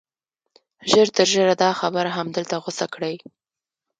ژر تر ژره دا خبره همدلته غوڅه کړئ